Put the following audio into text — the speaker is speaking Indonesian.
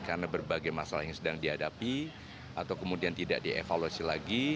karena berbagai masalah yang sedang dihadapi atau kemudian tidak dievaluasi lagi